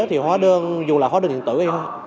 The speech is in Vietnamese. thì hóa đơn dù là hóa đơn điện tử hay không